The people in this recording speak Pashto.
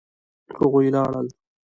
هغوی لاړل